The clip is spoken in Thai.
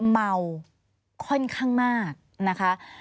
เมาค่อนข้างมากนะคะ